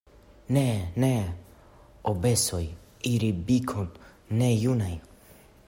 Ne, ne, Obesoj iri Bikon, ne junaj.